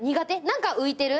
何か浮いてる。